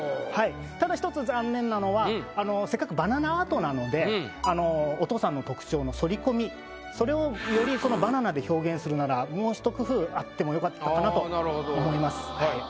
ただ１つ残念なのはせっかくバナナアートなのでお父さんの特徴の剃り込みそれをよりバナナで表現するならもうひと工夫あっても良かったかなと思います。